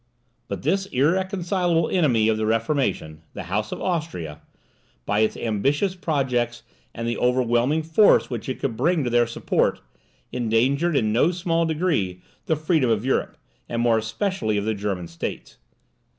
But this irreconcileable enemy of the Reformation the House of Austria by its ambitious projects and the overwhelming force which it could bring to their support, endangered, in no small degree, the freedom of Europe, and more especially of the German States.